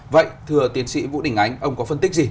vậy thưa tiến sĩ vũ đình ánh ông có phân tích gì